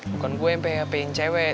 bukan gue yang php in cewek